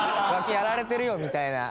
やられてるよみたいな。